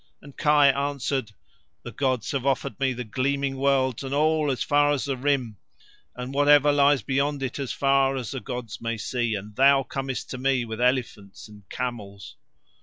And Kai answered: "The gods have offered me the gleaming worlds and all as far as the Rim, and whatever lies beyond it as far as the gods may see—and thou comest to me with elephants and camels."